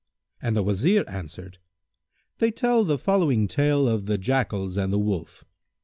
and the Wazir answered, "They tell the following tale of The Jackals and the Wolf.